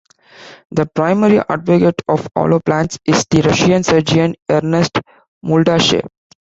The primary advocate of alloplants is the Russian surgeon Ernest Muldashev.